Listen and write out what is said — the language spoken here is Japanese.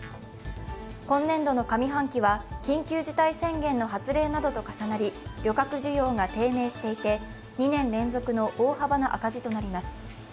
今年度の上半期は緊急事態宣言の発令などと重なり旅客需要が低迷していて２年連続の大幅な赤字となります。